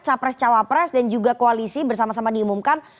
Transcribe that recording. capres cawapres dan juga koalisi bersama sama diumumkan